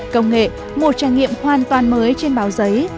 công nghệ một trải nghiệm hoàn toàn mới trên báo giấy